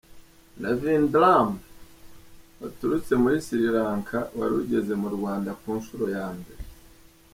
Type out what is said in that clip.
Ravindran, waturutse muri Sri Lanka wari ugeze mu Rwanda ku nshuro ya mbere.